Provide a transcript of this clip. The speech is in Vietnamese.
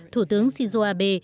thủ tướng shinzo abe